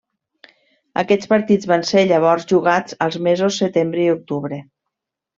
Aquests partits van ser llavors jugats als mesos setembre i octubre.